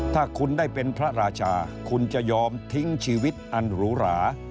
ถ้าคุณได้เป็นพระราชาคุณจะยอมทิ้งชีวิตอันหรูหรา